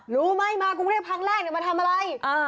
รู้ไหมมากรุงเทพครั้งแรกมาทำอะไร